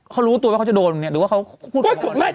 เขารู้ตัวว่าเขาจะโดนหรือว่าเขาพูดอีกบางคน